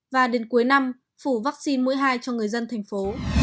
và đến cuối năm phủ vaccine mũi hai cho người dân thành phố